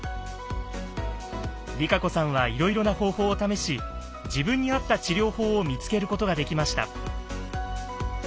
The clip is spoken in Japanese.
ＲＩＫＡＣＯさんはいろいろな方法を試し自分に合った治療法を見つけることができました。